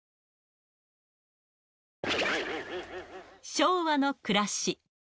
昭和の暮らし。